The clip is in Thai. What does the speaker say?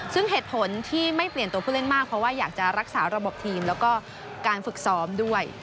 ซึ่งเหตุผลที่ไม่เปลี่ยนตัวผู้เล่นมากเพราะว่าอยากจะรักษาระบบทีมแล้วก็การฝึกซ้อมด้วย